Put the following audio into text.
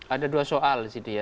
ada dua soal di situ ya